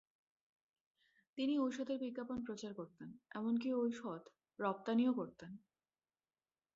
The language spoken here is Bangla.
তিনি ঔষধের বিজ্ঞাপন প্রচার করতেন, এমনকি ঔষধ রপ্তানিও করতেন।